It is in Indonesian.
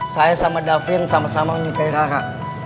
saya sama davin sama sama mengikai rara